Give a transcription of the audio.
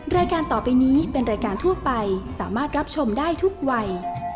รายการต่อไปนี้เป็นรายการทั่วไปสามารถรับชมได้ทุกวัย